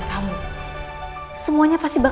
terkena sepupu bersama sama